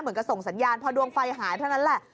เหมือนกับส่งสัญญาณพอดวงไฟหายเท่านั้นแหละ